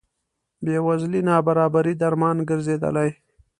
بې وزلۍ نابرابرۍ درمان ګرځېدلي.